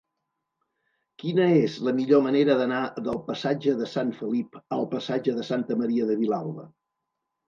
Quina és la millor manera d'anar del passatge de Sant Felip al passatge de Santa Maria de Vilalba?